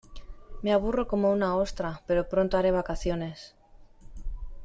Me aburro como una ostra, pero pronto haré vacaciones.